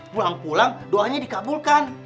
pulang pulang doanya dikabulkan